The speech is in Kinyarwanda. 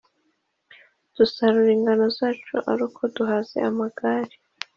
Dusarura ingano zacu ari uko duhaze amagara,